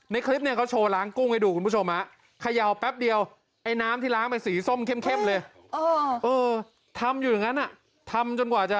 ไม่รู้จะผสมไปเพื่ออะไร